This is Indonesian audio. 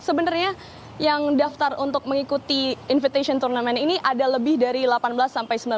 sebenarnya yang daftar untuk mengikuti invitation turnamen ini ada lebih dari delapan belas sampai sembilan belas